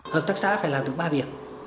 hợp tác xã phải làm được ba việc